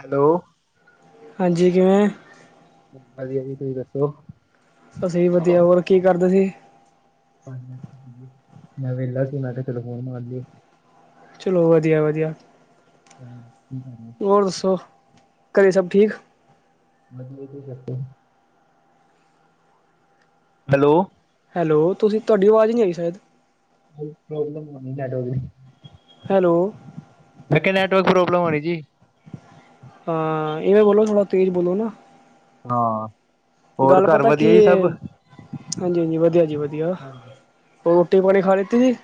Hello, ਹਾਂਜੀ ਕਿਵੇਂ? ਵਧੀਆ ਜੀ, ਤੁਸੀਂ ਦੱਸੋ? ਅਸੀ ਵੀ ਵਧੀਆ, ਹੋਰ ਕੀ ਕਰਦੇ ਸੀ? ਪੰਜ ਮਿੰਟ ਸੀਗੇ। ਮੈਂ ਵੇਹਲਾ ਸੀ ਮੈਂ ਕਿਹਾ ਚਲੋ ਫੋਨ ਮਾਰ ਲਈ ਚਲੋ ਵਧੀਆ ਵਧੀਆ ਹਮ ਹੋਰ ਦੱਸੋ? ਘਰੇ ਸਭ ਠੀਕ। ਮਜ਼ ਇਹ ਹੀ ਸ਼ਕਦੇ। ਹੈਲੋ। ਹੈਲੋ ਤੁਸੀਂ ਤੁਹਾਡੀ ਆਵਾਜ਼ ਨਹੀਂ ਆਈ ਸ਼ਾਇਦ। ਬਹੁਤ ਪ੍ਰੋਬਲਮ ਹੋਣੀ ਤੁਡੋ ਵੀ ਹੈਲੋ। ਮੈਂ ਕਿਹਾ ਨੈਟਵਰਕ ਪ੍ਰੋਬਲਮ ਹੋ ਰਹੀ ਜੀ। ਹਾਂ ਇਹਵੇਂ ਬੋਲੋ ਥੋੜਾ ਤੇਜ਼ ਬੋਲੋ ਨਾ। ਹਾਂ। ਹੋਰ ਗੱਲ ਘਰ ਪਤਾ ਵਧੀਆ ਕੀ ਜੀ ਸਭ? ਹਾਂਜੀ ਹਾਂਜੀ ਵਧੀਆ ਜੀ ਵਧੀਆ। ਹਾਂਜੀ। ਹੋਰ ਰੋਟੀ ਪਾਣੀ ਖਾ ਲਤੀ ਜੀ?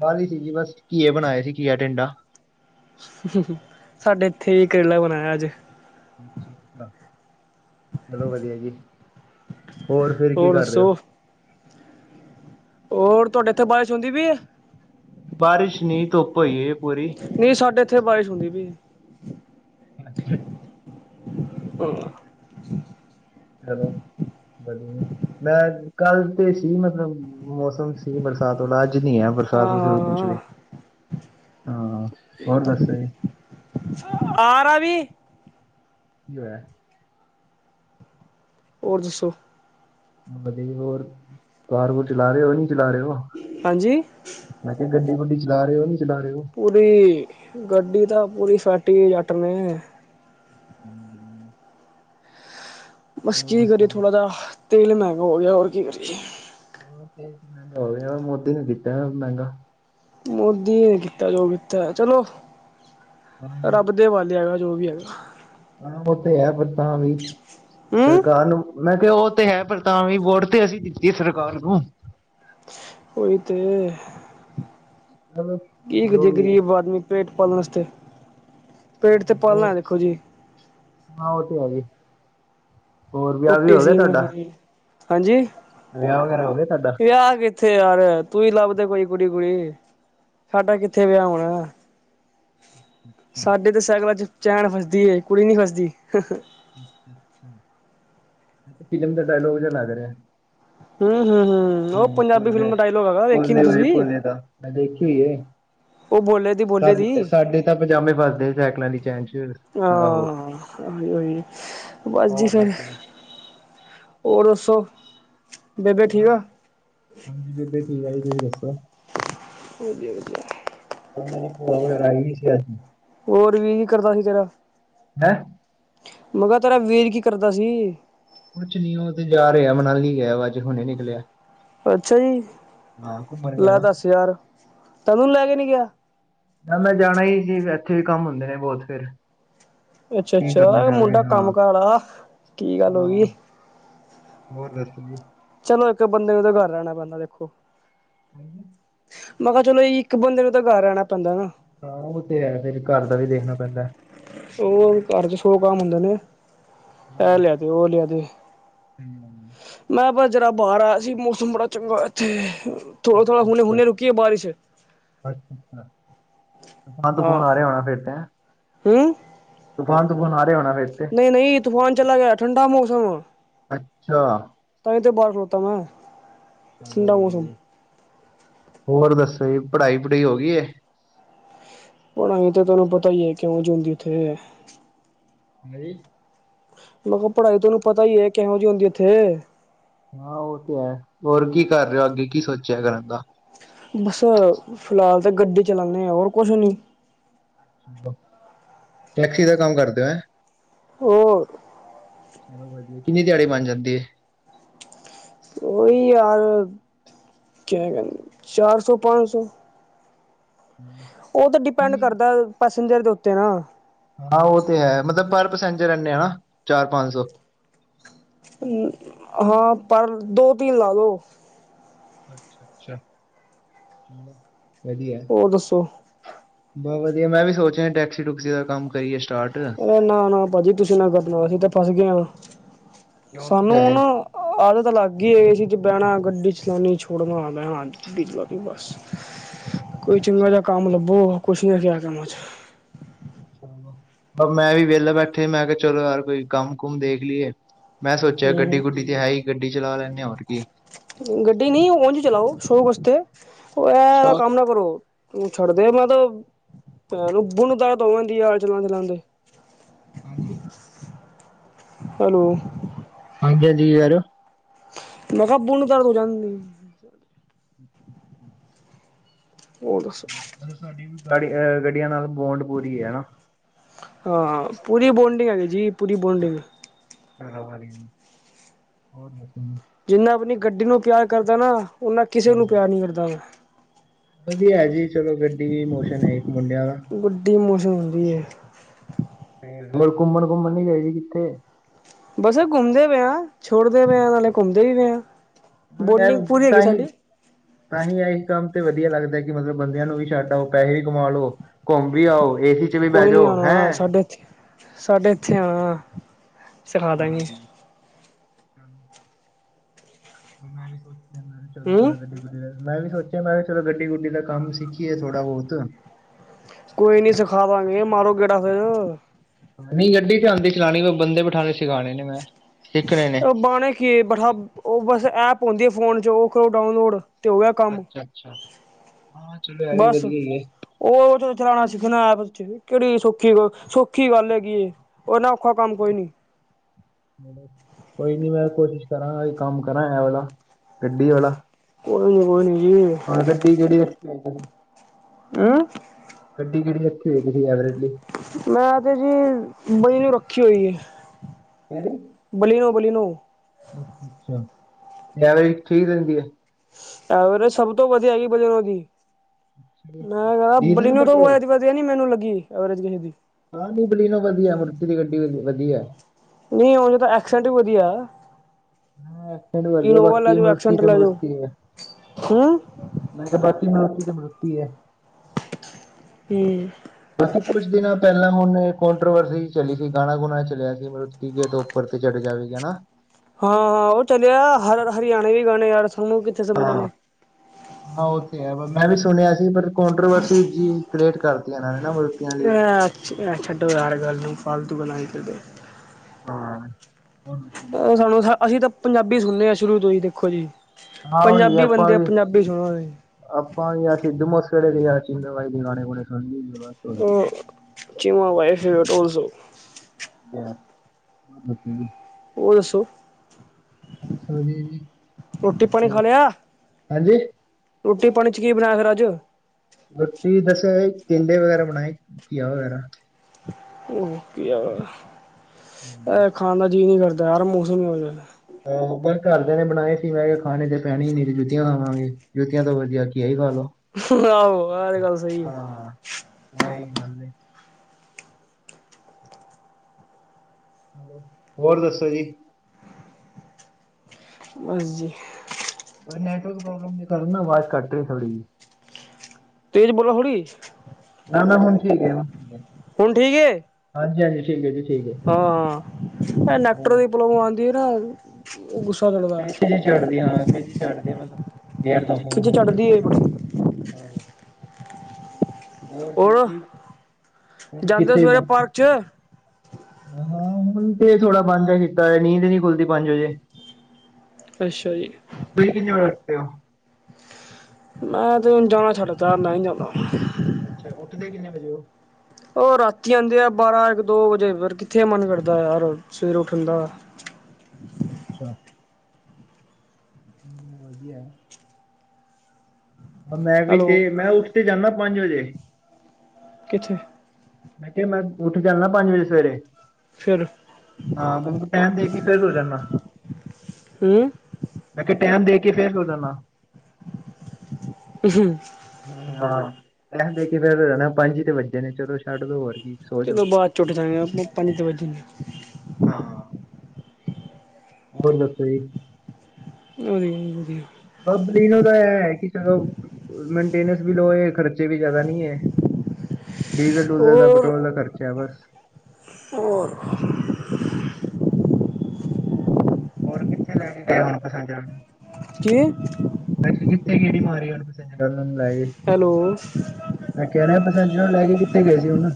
ਬਾਹਲੀ ਸੀ ਜੀ ਬਸ ਘੀਏ ਬਣਾਏ ਸੀ ਘੀਆ ਟਿੰਡਾ। ਸਾਡੇ ਇੱਥੇ ਵੀ ਕਰੇਲਾ ਬਣਾਇਆ ਅੱਜ। ਅਛਾ ਅੱਛਾ ਚਲੋ ਵਧੀਆ ਜੀ। ਹੋਰ ਫਿਰ ਕੀ ਕਰ ਰਹੇ ਹੋ? ਹੋਰ ਤੁਹਾਡੇ ਇੱਥੇ ਬਾਰਿਸ਼ ਹੁੰਦੀ ਵੀ ਹੈ। ਬਾਰਿਸ਼ ਨੀ ਧੁੱਪ ਹੋਈ ਪੂਰੀ। ਨਹੀਂ ਸਾਡੇ ਇੱਥੇ ਬਾਰਿਸ਼ ਹੁੰਦੀ ਪਈ ਏ। ਅੱਛਾ। ਹਾਂ । ਚਲੋ ਵਧੀਆ ਮੈਂ ਕੱਲ ਤੇ ਸੀ ਮਤਲਬ ਮੌਸਮ ਸੀ ਬਰਸਾਤ ਵਾਲਾ ਅੱਜ। ਝ ਨੀ ਹੈ ਹਾਂ ਬਰਸਾਤ ਬਸੂ ਕੁਝ ਹਾਂ ਵੀ ਹਾਂ ਹੋਰ ਦੱਸੋ ਜੀ। ਹਾਂ ਆ ਰਾ ਵੀ ਕੀ ਹੋਇਆ । ਹੋਰ ਦੱਸੋ? ਵਧੀਆ ਹੋਰ ਕਾਰ ਬ ਚਲਾ ਰਹੇ ਹੋ ਨੀ? ਚਲਾ ਰਹੇ ਹੋ ਹਾਂਜੀ ਮੈਂ ਕਿਹਾ ਗੱਡੀ ਗੁੱਡੀ ਚਲਾ ਰਹੇ ਉਹ ਨੀ ਪੂਰੀ ਗੱਡੀ ਦਾ ਪੂਰੀ। ਪਾਟੀ ਹੋਈ ਜੱਟ ਨੇ। ਹਮ। ਬਸ ਕੀ ਕਰੀਏ ਜੀ ਥੋੜਾ ਜਾ। ਤੇਲ ਮਹਿੰਗਾ ਹੋ ਗਿਆ ਹੋਰ ਕੀ ਕਰੀਏ? ਤੇ ਮਹਿੰਗਾ ਹੋ ਗਿਆ ਵਾ ਮੋਦੀ ਨੇਤਾ ਵ ਮਹਿੰਗਾ ਮੋਦੀ ਨੇ ਕੀਤਾ ਜੋ ਕੀਤਾ ਚਲੋ। ਹਾਂ ਰੱਬ ਦੇ ਵਾਲ ਆ ਜੋ ਵੀ ਹੈਗਾ [unintelligible] ਹਾਂ, ਉਹ ਤੇ ਹੈ ਪਰ ਤਾਂ ਵੀ ਹੂੰ ਸਰਕਾਰ ਨੂੰ ਮੈਂ ਕਿਹਾ ਉਹ ਤੇ ਹੈ ਪਰ ਤਾਵੀਂ ਵੋਅਟ ਤੇ ਅਸੀਂ ਦਿੱਤੀ ਸਰਕਾਰ ਨੂੰ। ਉਈ ਤੇ ਚਲੋ ਕੀ ਕੁ ਜੋ ਜੇ ਵੀ ਹੈ ਗ਼ਰੀਬ ਆਦਮੀ ਪੇਟ ਪਾਲਸਤੇ ਪੇਟ ਤੇ ਹੋਰ ਪਾਲਣਾ ਦੇਖੋ ਜੀ। ਹਾਂ ਉਹ ਤੇ ਹੈ ਜੀ ਹੋਰ ਵਿਆਹ ਵੀ ਰੋਟੀ ਹੋ ਗਿਆ ਅਸੀਂ ਕਿਵੇਂ ਤੁਆਡਾ ਖਾਣੀ। ਹਾਂਜੀ। ਵਿਆਹ ਵਗੈਰਾ ਹੋ ਗਿਆ ਤਾਡਾ ਵਿਆਹ ਕਿੱਥੇ ਆਰ ਤੂੰ ਈ ਲੱਭਦੇ ਕੋਈ ਕੁੜੀ ਕੁੜੀ ਸਾਡਾ ਕਿੱਥੇ ਵਿਆ ਹੋਣਾ। ਅੱਛਾ ਸਾਡੇ ਤੇ ਸੈਕਲਾਂ ਚ ਚੈਨ ਫਸਦੀ ਐ ਕੁੜੀ ਨਹੀਂ ਫਸਦੀ [unintelligible] ਅ ਅੱਛਾ ਫਿਲਮ ਦਾ ਡਾਇਲੋਗ ਜਿਹਾ ਲਗ ਰਿਹਾ। ਹਂ ਹਂ ਫੋਲੇ ਵੇਖੀ ਨੀ ਬੋਲਲੇ ਬਾਈ ਤੁਸੀਂ ਫੋਲੇ ਦਾ ਮੈਂ ਦੇਖੀ ਐ। ਉਹ ਬੋਲੇ ਦੀ ਬੋਲੇ ਦੀ ਤਾਂ ਪਜਾਮੇ ਫਸਦੇ ਸਾਈਕਲਾਂ ਦੀ ਚੈਨ ਚ ਆਹੋ। ਹਾਂ, ਓਹੀ ਈ ਬਸ ਜੀ ਹੋਰ ਫਿਰ ਦੱਸੋ ਹੋਰ ਦੱਸੋ। ਬੇਬੇ ਠੀਕ ਬਸ ਆ ਹਾਂਜੀ‌ ਬੇਬੇ ਦਵਾਈ ਦੁਵਈ ਦੱਸੋ। ਵਧੀਆ ਵਧੀਆ। ਮੈਂ ਭੂਆ ਵਗੇਰਾ ਰੈਈ ਸੀ ਅੱਜ। ਹੋਰ ਵੀ ਕਰਦਾ ਸੀ ਤੇਰਾ ਹੈਂ! ਮਗੇ ਤੇਰਾ ਵੀਰ ਕੀ ਕਰਦਾ ਸੀ। ਕੁਛ ਨੀਂ ਉਹ ਤੇ ਜਾ ਰਿਹਾ ਮਨਾਲੀ ਗਿਆ ਵਾ ਅੱਜ ਹੁਣੇ ਨਿਕਲਿਆ। ਅੱਛਾ ਜੀ, ਹਾਂ ਘੁੰਮਣ ਗਿਆ ਲੈ ਨਾ। ਦਸ ਯਾਰ ਤੈਨੂੰ ਨੂੰ ਲੈ ਕੇ ਨੀਂ ਗਿਆ। ਨਾ ਮੈਂ ਜਾਣਾ ਹੀ ਸੀ ਇੱਥੇ ਕੰਮ ਹੁੰਦੇ ਨੇਂ ਬਹੁਤ ਫੇਰ ਅੱਛਾ ਅੱਛਾ ਮੁੰਡਾ ਕੰਮ ਕਾਰ ਆ ਕੀ ਗੱਲ ਹੋਈ। ਹਾਂ [unintelligible] ਚਲੋ ਇੱਕ ਬੰਦੇ ਉਹਦੇ ਘਰ ਰਹਿਣਾ ਪੈਂਦਾ ਫਿਰ। [unintelligible] [inaudible] ਮੈਂ ਕਿਹਾ ਚਲੋ ਜੀ ਇੱਕ ਬੰਦੇ ਨੂੰ ਤਾਂ ਘਰ ਰਹਿਣਾ ਪੈਂਦਾ ਨਾਂ। ਹਾਂ, ਉਹ ਤੇ ਹੈ ਫਿਰ ਘਰ ਦਾ ਵੀ ਦੇਖਣਾ ਪੈਂਦਾ। [inaudible] ਐ ਲਿਆ ਦੇ ਉਹ ਲਿਆ ਦੇ ਮੈਂ ਬਸ ਜਿੜਰਾ ਬਾਹਰ ਆ ਸੀ ਮੌਸਮ ਬੜਾ ਚੰਗਾ ਇੱਥੇ ਥੋੜ੍ਹਾ, ਥੋੜ੍ਹਾ, ਹੁਣੇ, ਅੱਛਾ-ਅੱਛਾ ਹੁਨੇ ਰੁਕੀਏ ਬਾਰਿਸ਼। ਹਾਂ [unintelligible] ਹੂੰ ਤੂਫਾਨ ਸਗੋਂ ਨਹੀਂ, ਨਹੀਂ ਤੂਫਾਨ ਚਲਾ ਗਿਆ। ਠੰਡਾ ਮੌਸਮ। ਅੱਛਾ। ਇੱਥੇ ਬਾਹਰ ਖਲੋਤਾ ਮੈਂ ਚਲੋ ਠੰਡਾ ਵਧੀਆ ਮੌਸਮ ਜੀ ਹੋਰ ਦੱਸ। ਤੇ ਪੜ੍ਹਾਈ ਪੜੂਈ ਹੋ ਗਈ ਏ। ਹੁਣ ਅਸੀਂ ਤਾਂ ਤੁਹਨੂੰ ਪਤਾ ਹੀ ਹੈ, ਕਿਉਂ ਜਿਉਂਦੀ ਉੱਥੇ। ਨਹੀਂ। ਮੈਨੂੰ ਪੜ੍ਹਾਈ ਤੁਹਾਨੂੰ ਪਤਾ ਹੀ ਹੈ ਕਿਹੋ ਜਿਹੀ ਹੁੰਦੀ ਏ ਉੱਥੇ। ਹਾਂ ਉਹ ਤੇ ਹੈ। ਹੋਰ ਕੀ ਕਰ ਰਹੇ ਹੋ, ਅੱਗੇ ਕੀ ਸੋਚਿਆ ਏ ਕਰਨ ਦਾ। ਬਸ, ਫਿਲਹਾਲ ਤਾਂ ਗੱਡੀ ਚਲਾਉਦੇ ਆ, ਹੋਰ ਕੁਛ ਨਹੀਂ। ਟੈਕਸੀ ਦਾ ਕੰਮ ਕਰਦੇ ਹੋ। ਹੈ ਹੋਰ ਚਲੋ ਵਧੀਆ, ਕਿੰਨੀ ਦਿਹਾੜੀ ਬਣ ਜਾਂਦੀ ਹੈ। ਉਹੀ ਯਾਰ ਕਿਆ ਕਹਿੰਦੇ ਚਾਰ ਸੌ, ਪੰਜ ਸੌ। ਹਮ, ਉਹ ਤੇ ਡਿਪੈਂਡ ਠੀਕ। ਕਰਦਾ ਬਸ ਦਿਲ ਦੇ ਉੱਤੇ ਆ। ਹਾਂ ਉਹ ਤੇ ਹੈ ਮਤਲਬ ਪਰ ਪੈਸੇਜਰ ਇਨੇ ਆ ਚਾਰ, ਪੰਜ ਸੌ। ਹਸ, ਹਾਂ ਪਰ ਦੋ, ਤਿਨ ਲਾ ਲੋ। ਅੱਛਾ ਅੱਛਾ। ਵਧੀਆ ਹੈ। ਹੋਰ ਦੱਸੋ। ਬਹੁਤ ਵਧੀਆ, ਮੈਂ ਵੀ ਸੋਚਿਆ ਹੈ ਟੈਕਸੀ ਟੂਕਸੀ ਦਾ ਕੰਮ ਕਰੀਏ। ਸਟਾਰਟ ਨਾ ਨਾ ਭਾਜੀ ਤੁਸੀਂ ਨਾ ਫਸਣਾ ਅਸੀਂ ਤੇ ਫਸ ਗਏ ਹਾ। ਕਿਉਂ ਕੀ ਸਾਨੂੰ ਹੈ ਨਾ ਆਦਤ ਲੱਗ ਗਈ ਹੈ ਏ ਸੀ ਚ ਬਹਿਣਾ। ਗੱਡੀ ਚਲਾਉਣੀ ਛੁਡਵਾਣਾ, ਮੈਂ ਆਂਦੀ ਚਲਾਉਣੀ ਬਸ। ਕੋਈ ਅੱਛਾ ਚੰਗਾ ਅੱਛਾ ਜਿਹਾ ਕੰਮ ਲੱਭੋ। ਕੁਛ ਨਹੀਂ ਰਿਹਾ ਕੰਮਾਂ ਚ ਉ ਮੈਂ ਵੀ ਵਿਹਲਾ ਬੈਠੇ, ਮੈਂ ਕਿਹਾ ਚਲੋ ਯਾਰ ਕੋਈ ਕੰਮ ਕੁਮ ਦੇਖ ਲਈਏ। ਮੈਂ ਸੋਚਿਆ ਗੱਡੀ, ਹੂੰ ਗੁੱਡੀ ਤੇ ਹੈ ਹੀ ਗੱਡੀ ਚਲਾ ਲੈਂਦੇੇ ਆ ਹੋਰ ਕੀ। ਗੱਡੀ ਨਹੀਂ ਉਂਝ ਚਲਾਓ ਸ਼ੋ ਵਾਸਤੇ। ਉਹ ਅੱਛਾ ਇਹ ਕੰਮ ਨਾ ਕਰੋ। ਤੂੰ ਛੱਡਦੇ ਮੈਂ ਤੇ ਤੈਨੂੰ ਬੁਲ [unintelligible] ਜਾਂਦੀ ਆਾਲ ਚਲਾਾਂ ਚਲਾਉਦੇ। ਹਾਂਜੀ। ਹੈਲੋ ਹਾਂਜੀਜੀ ਯਾਰ। ਮੈਂ ਕਿਹਾ ਬੋਨ ਤ ਤੂੰ ਜਾਂਦੀ। ਹੋਰ ਦੱਸੋ ਮ ਸਾਡੀ ਵੀ ਗੜ ਅ ਗੱਡੀਆਂ ਨਾਲ ਬੋਂਡ ਪੂਰੀ ਹੈ ਹਨਾ। ਹਾਂ ਪੂਰੀ ਬੋਡਿੰਗ ਹੈਗੀ ਜੀ ਪੂਰੀ ਬੋਡਿੰਗ। ਘ ਵਾਲੀ ਹੋਰ ਦੱਸ? ਜਿੰਨਾ ਆਪਣੀ ਗੱਡੀ ਨੂੰ ਪਿਆਰ ਕਰਦਾ ਨਾ। ਉਹਨਾ ਕਿਸੇ ਨੂੰ ਪਿਆ ਨੀ ਕਰਦਾ ਵਾ। ਵਧੀਆ ਜੀ। ਚਲੋ ਗੱਡੀ ਵੀ ਮੋਸ਼ਨ ਹੈ ਇੱਕ ਮੁੰਡਿਆਂ ਦਾ। ਜਦੀ ਹੈ। ਘੁੰਮਣ ਘੁੰਮਣ ਨੀ ਗਏ ਸੀ ਕਿੱਥੇ ਬਸ ਘੁੰਮਦੇ ਪਏ ਹ। ਛੱੜਦੇ ਪਏ ਆ ਨਾਲੇ ਘੁੰਮਦੇ ਵੀ ਪਏ ਆ। ਹ ਬੋਂਡਿੰਗ ਪੂਰੀ ਹੈਗੀ ਤਾਂਹੀ ਸਾਡੀ ਤਾਂਹੀ ਆਹੀ ਕੰਮ ਵਧੀਆ ਲੱਗਦਾ ਕਿ ਮਤਲਬ ਬੰਦਿਆਂ ਨੂੰ ਵੀ ਛੱਡ ਆਓਸੇ ਵੀ ਕਮਾ ਲ ਲੋ ਘੁੰਮ ਵੀ ਆਓ। ਏਸੀ ਚ ਵੀ ਬਹਿ ਕੋਈ ਨੀ ਜਾਓ ਆਉਣਾ ਸਾਡੇ ਇਥੇ ਸਾਡੇ ਇੱਥੇ ਆਉਣਾ ਵ ਸਿਖਾ ਦਾ ਵੀ ਹ। ਮੈਂ ਵੀ ਸੋਚ ਮ ਚਲੋ ਹੂੰ ਨਾਲ ਗੱਡੀ ਗੜ ਮੈਂ ਵੀ ਸੋਚਿਆ ਮੈਂ ਵੀ ਚਲੋ ਗੱਡੀ ਗੁੱਡੀ ਦਾ ਕੰਮ ਸਿੱਖੀਏ ਥੋੜਾ ਬਹੁਤ। ਕੋਈ ਨੀ ਸਿਖਾ ਦਾਂਗੇ ਮਾਰੋ ਗੇੜਾ ਹੋ। ਨਹੀਂ ਗੱਡੀ ਤੇ ਆਉਂਦੀ ਚਲਾਉਣੀ ਵ ਬੰਦੇ ਬਿਠਾਣੇ ਸਿਖਾਣੇ ਨੇ ਮੈਂ। ਸਿੱਖਣੇ ਨੇ ਬਾਣੇ ਕੀ ਬੜਾ ਉਹ ਬਸ ਐਪ ਆਉਂਦੇ ਫੋਨ 'ਚ ਉਹ ਕਰੋ ਡਾਊਨਲੋਡ। ਤੇ ਹੋ ਗਿਆ ਕੰਮ ਅੱਛਾ ਅੱਛਾ ਹਾਂ ਚਲੋ ਇਹ ਵੀ ਬਸ ਵਧੀਆ ਹੀ ਉਹ ਚ ਚਲਾਉਣਾ ਸਿੱਖਣਾ ਐ। ਕਿਹੜੀ ਸੌਖੀ ਸੌਖੀ ਗੱਲ ਹੈਗੀ ਉਹਨਾ ਔਖਾ ਕੰਮ ਕੋਈ ਨੀ। ਕੋਈ ਨੀ ਮੈਂ ਕੋਸ਼ਿਸ਼ ਕਰਾਂ ਵੀ ਕੰਮ ਕਰਾਂ ਇਹ ਵਾਲਾ ਗੱਡੀ ਵਾਲਾ। ਕੋਈ ਨੀ ਕੋਈ ਨੀ ਜੀ ਹੁਣ ਗੱਡੀ ਕਿਹੜੀ ਰੱਖੀ ਆ। ਅ ਠੀਕ ਠੀ ਐਵਰੇਲੀ ਮੈਂ ਤੇ ਜੀ ਬਈ ਨੂੰ ਰੱਖ। [unintelligible] [inaudible] ਬੋਲੀ ਨੂੰ ਅੱਛਾ-ਅੱਛਾ। ਐਵਰੇਜ ਠੀਕ ਦਿੰਦੀ ਏ। ਐਵਰੇਜ ਸਭ ਤੋਂ ਵਧੀਆ ਹੈਗੀ ਬਾਈ ਜੀ ਓਦੀ ਮੈਂ ਕਹਿੰਦਾ ਡੀਜ਼ਲ ਬਲੀਨੋ ਤੋਂ ਪੈਟਰੋਲ ਇਹਦੀ ਮੈਨੂੰ ਨੀ ਵਧੀਆ ਲੱਗੀ। ਐਵਰੇਜ ਕੀ ਹੈ ਏਡੀ ਹਾਂਜੀ ਬਲੈਨੋ ਵਧੀਆ, ਮਾਰੂਤੀ ਦੀ ਗੱਡੀ ਵੀ ਵਧੀਆ। ਨਹੀਂ ਉਂਜ ਤਾਂ ਐਕਸੈਂਟ ਵੀ ਵਧੀਆ। ਹੱਮ ਐਕਸੈਂਟ ਵਧੀਆ ਇਨੋਵਾ ਲੈ ਬਾਕੀ ਜੋ ਮਾਰੂਤੀ ਐਕਸੈਂਟ ਤਾਂ ਲੈ ਜੋ ਮਾਰੂਤੀ ਹੈ ਹੂੰ। ਮੈਂ ਕਿਹਾ ਬਾਕੀ ਮਾਰੂਤੀ ਤੇ ਮਾਰੂਤੀ ਏ। ਤੇ ਉੱਥੇ ਕੁੱਝ ਦਿਨਾਂ ਪਹਿਲਾਂ ਪਹਿਲਾਂ ਹੁਣ ਕਾਂਟਰੋਵਰਸੀ ਚੱਲੀ ਸੀ ਗਾਣਾ-ਵਾਣਾ ਚੱਲਿਆ ਸੀ ਮਤਲਬ ਤੀਜੇ ਤੋਂ ਉੱਪਰ ਤਾਂ ਚੜ੍ਹ ਜਾਵੇਗੀ ਹੈ ਨਾ। ਹਾਂ ਹਾਂ ਉਹ ਚੱਲਿਆ ਹਰ ਹਰਿਆਣੇ ਵੀ ਗਾਣੇ ਯਾਰ ਸਾਨੂੰ ਕਿੱਥੇ ਸਮਝ ਹਾਂ ਆਨੇ। ਹਾਂ ਉਹ ਤਾਂ ਹੈ ਮੈਂ ਵੀ ਸੁਣਿਆ ਸੀ ਪਰ ਕਾਂਟਰੋਵਰਸੀ ਜੀ ਕ੍ਰੀਏਟ ਕਰਤੀ ਇਹਨਾਂ ਨੇ ਨਾ ਮੂਰਤੀਆਂ ਲਈ ਅ ਅੱਛਾ ਛਾ ਛੱਡੋ ਯਾਰ ਗੱਲ ਨੂੰ। ਫਾਲਤੂ ਬਣਾਈ ਜਾਂਦੇ ਆ। ਹਾਂ। ਉਹ ਸਾਨੂੰ ਅਸੀਂ ਤਾਂ ਪੰਜਾਬੀ ਸੁਣੇ ਆ ਸ਼ੁਰੂ ਤੋਂ ਹੀ ਦੇਖੋ ਜੀ। ਹਾਂ ਉਹੀ ਆ ਪੰਜਾਬੀ ਆਪਾਂ ਬੰਦੇ ਵੀ ਪੰਜਾਬੀ ਸੁਣੋ ਜੀ ਆਪਾਂ ਵੀ ਆ ਸਿੱਧੂ ਮੂਸੇ ਚਿੱਟੇ ਬਾਈ ਦੇ ਗਾਣੇ ਗਣੇ ਸੁ ਹਮ ਕਿਉਂ ਆ ਵਾਇਫ ਫੇਵਰਿਟ ਆਲਸੋ [inaudible] ਉਹ ਦੱਸੋ ਵਧੀਆ ਜੀ ਰੋਟੀ ਪਾਣੀ ਖਾ ਹੋਰ ਲਿਆ? ਹਾਂਜੀ ਰੋਟੀ ਪਾਣੀ ਚ ਕੀ ਬਣਾਇਆ ਫਿਰ ਅੱਜ। ਟੀਂਡੇ ਵਗੈਰਾ ਬਣਾਏ ਘੀਆ ਵਗੈਰਾ। ਓਕੇ ਆ ਏਹ ਖਾਣ ਦਾ ਜੀਅ ਨਹੀਂ ਕਰ ਦਾਰ ਮੌਸਮ ਹੋ ਜਾਏ। [inaudible] ਘਰਦਿਆਂ ਨੇ ਬਣਾਏ ਸੀ ਮੈਂ ਕਿਹਾ ਖਾਣੇ ਤੇ ਪੈਣੇ ਹੀ ਨੀ ਤੇ ਜੁੱਤੀਆਂ ਲਾਵਾਂਗੇ ਜੁੱਤੀਆਂ ਤੋਂ ਵਧੀਆ ਕਿਯਾ ਖਾ ਲੋ। ਆਹੋ ਆਹ ਤੇ ਗੱਲ ਸਹੀ ਆ। ਗੱਲੇ ਹੋਰ ਦੱਸੋ ਜੀ। ਬਸ ਜੀ ਨੈੱਟਵਰਕ ਪ੍ਰੌਬਲਮ ਚ ਕਰਨਾ ਵਾਜ਼ ਕੱਟ ਰਹੀ ਥੋੜ੍ਹੀ ਤੇਜ ਬੋਲੋ ਹੋੜੀ ਨਾ ਨਾ ਹੁਣ [unintelligible] ਹੁਣ ਠੀਕ ਏ। ਹਾਂਜੀ ਹਾਂਜੀ ਠੀਕ ਐ ਜੀ ਠੀਕ ਹੈ ਹਾਂ ਉਹ [unintelligible] [unintelligible] ਚੜਦਾ [unintelligible] ਖਿੱਚ ਚੜ੍ਹਦੀ ਹੈ ਬੜੀ [unintelligible] [inaudible] ਹੋਰ ਕੀ ਹੁਣ ਜਾਂਦੇ ਕਿੱਥੇ ਸਵੇਰੇ ਪਾਰਕ ਚ ਹਾਂ ਹੁਣ ਤੇ ਥੋੜਾ ਬੰਦ ਕੀਤਾ ਏ ਨੀਂਦ ਨੀ ਖੁੱਲਦੀ ਪੰਜ ਵਜੇ ਅੱਛਾ ਜੀ। ਤੁਸੀਂ [unintelligible] ਮੈਂ ਤੇ ਹੁਣ ਜਾਣਾ ਛੱਡਤਾ ਨਈ ਜਾਂਦਾ [unintelligible] ਉੱਠਦੇ ਕਿੰਨੇ ਵਜੇ ਓ ਓ ਰਾਤੀ ਆਉਂਦੇ ਆ ਬਾਰਾਂ ਇੱਕ ਦੋ ਵਜੇ ਫੇਰ ਕਿੱਥੇ ਮਨ ਕਰਦਾ ਯਾਰ ਸਵੇਰੇ ਉੱਠਣ ਦਾ। ਅੱਛਾ। ਵਧੀਆ ਮੈਂ ਵੀ ਤੇ ਹੈਲੋ ਮੈਂ ਉਸ ਤੇ ਜਾਂਨਾ ਪੰਜ ਵਜੇ। ਕਿੱਥੇ। ਮੈਂ ਕਿਆ ਮੈਂ ਉੱਠ ਜਾਨਾ ਪੰਜ ਵਜੇ ਸਵੇਰੇ ਫਿਰ ਹਾਂ ਮ ਟੈਮ ਦੇ ਕੇ ਫੇਰ ਸੋ ਜਾਂਨਾ ਹੂੰ ਮੈਂ ਕਾ ਟੈਮ ਦੇ ਕੇ ਫੇਰ ਸੋ ਜਾਨਾ ਹੂੰ ਹਾਂ ਕਹਿੰਦੇ ਕੇ ਫੇਰ ਹਨਾ ਪੰਜ ਈ ਤੇ ਵੱਜੇ ਨੇ ਚਲੋ ਛੱਡ ਦੋ ਹੋਰ ਕੀ ਸੋ ਜਾਓ ਚਲੋ ਬਾਅਦ ਚ ਉੱਠ ਜਾਗੇ ਆਪ ਪੰਜ ਈ ਤੇ ਵਜੇ ਨੇ ਹਾਂ। ਹੋਰ ਦੱਸੋ ਜੀ [unintelligible] ਬਬਲੀਨੋ ਦਾ ਐ, ਹੈ ਕਿ ਚੱਲੋ [unintelligible] ਵੀ ਲੋ ਖਰਚੇ ਵੀ ਜ਼ਿਆਦਾ ਨੀ ਐ। ਡੀਜ਼ਲ- ਡੁਜਲ ਦਾ, ਹੋਰ ਪੈਟਰੋਲ ਦਾ ਖਰਚਾ ਏ ਬਸ। ਹੋਰ ਹੋਰ ਕਿੱਥੇ ਲੈ ਕੇ ਗਏ, ਹੁਣ ਪੈਸੇੰਜਰਾ ਨੂੰ ਕੀ ਬ ਕਿੱਥੇ ਗੇਹੜੀ ਮਾਰੀ ਉਹ [unintelligible] ਲੈ ਗਏ ਹੈਲੋ ਮੈਂ ਕਹਿ ਰਿਹਾ ਪਸਂਜਰਾਂ ਨੂੰ ਲੈ ਕੇ ਕਿੱਥੇ ਗਏ ਸੀ ਹੁਣ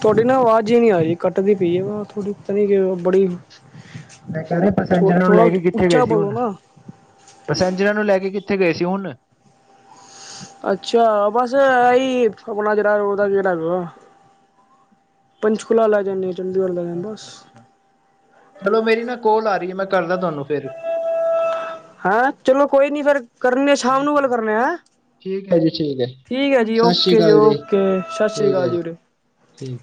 ਤੁਹਾਡੀ ਨਾ ਆਵਾਜ਼ ਹੀ ਨਹੀਂ ਆ ਰਹੀ ਕੱਟਦੀ ਪਈ ਹੈ ਵਾ ਥੋੜੀ, ਪਤਾ [unintelligible] ਕਿ ਬੜੀ ਮੈਂ ਕਹਿ ਰਹੇ ਆ ਪੈਸੇਜਰਾਂ ਨੂੰ, ਥੋੜਾ ਲੈ ਕੇ ਕਿੱਥੇ ਗਏ ਉੱਚਾ ਸੀ? ਬੋਲੋ ਹੁਣ, ਨਾ ਪੈਸੈਂਜਰਾਂ ਨੂੰ ਲੈ ਕੇ ਕਿੱਥੇ? ਕਿੱਥੇ ਗਏ ਸੀ ਹੁਣ? ਅੱਛਾ। ਬਸ ਆਹੀ ਆਪਣਾ ਜਿਹੜਾ ਉਹਦਾ ਕਿਹੜਾ ਪੰਚਕੁਲਾ ਲੈ ਜਾਂਦੇ। ਚੰਡੀਗੜ੍ਹ ਲੈ ਜਾਂਦੇ ਬਸ ਅੱਛਾ-ਅੱਛਾ ਚਲੋ ਮੇਰੀ ਨਾ ਕੋਲ ਆ ਰਹੀ ਹੈ। ਮੈਂ, ਕਰਦਾ ਤੁਹਾਨੂੰ ਫੇਰ। ਹਾਂ, ਚਲੋ ਕੋਈ ਨੀ ਫੇਰ। ਕਰਨੇ ਆ ਸ਼ਾਮ ਨੂੰ ਠੀਕ ਹੈ ਗੱਲ ਕਰਨੇ ਆ ਹੈ। ਠੀਕ ਹੈ ਜੀ ਠੀਕ ਹੈ ਠੀਕ ਹੈ ਜੀ, ਸਤਿ ਸ਼੍ਰੀ ਓਕੇ ਜੀ। ਅਕਾਲ ਓਕੇ, ਸਤਿ ਸ੍ਰੀ ਠੀਕ ਅਕਾਲ ਹੈ ਜੀ ਵੀਰੇ। ਠੀਕ